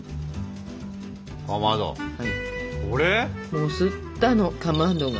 もうすったのかまどが。